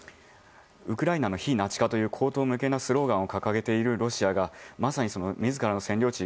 ウクライナの非ナチ化という荒唐無稽なスローガンを掲げているロシアがまさに自らの占領地